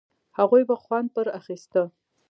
هغوی به خوند پر اخيسته.